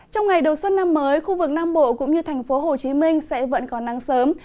trong ngày đầu xuân năm mới khu vực nam bộ cũng như thành phố hồ chí minh sẽ vẫn còn nắng sớm